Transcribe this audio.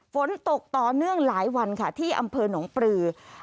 ฝนตกต่อเนื่องหลายวันที่อำเพิร์นองปรือ